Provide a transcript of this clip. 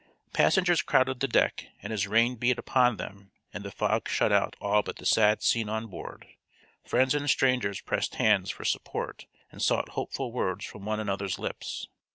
Passengers crowded the deck and as rain beat upon them and the fog shut out all but the sad scene on board, friends and strangers pressed hands for support and sought hopeful words from one another's lips.